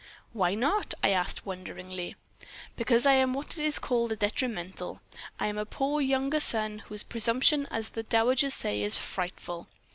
"'Why not?' I asked, wonderingly. "'Because I am what is called a detrimental. I am a poor younger son, whose presumption, as the dowagers say, is frightful.